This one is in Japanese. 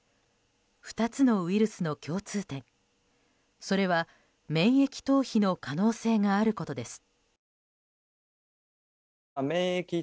２つのウイルスの共通点それは、免疫逃避の可能性があることです。